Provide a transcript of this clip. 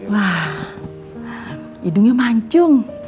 wah hidungnya mancung